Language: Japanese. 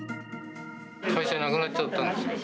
会社なくなっちゃったんですよ。